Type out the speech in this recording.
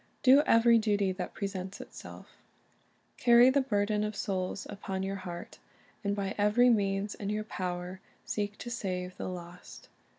Do every duty that presents itself Carry the burden of souls upon your heart, and" by every means in your power seek to save the lost.